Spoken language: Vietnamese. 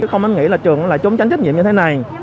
không anh nghĩ là trường là chống tránh trách nhiệm như thế này